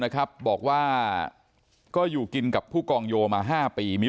ก็อยู่กินกับผู้กองโยมา๕ปี